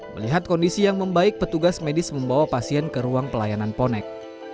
melihat kondisi yang membaik petugas medis membawa pasien ke ruang pelayanan ponek